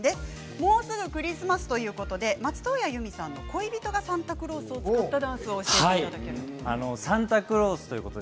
もうすぐクリスマスということで松任谷由実さんの「恋人がサンタクロース」を使ったダンスを教えてくださるということで。